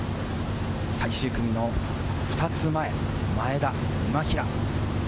最終組の２つ前、前田、今平。